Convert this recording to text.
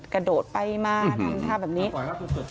กระโดดไปมาทำท่าแบบนี้ปล่อยเข้าสุดสุดไป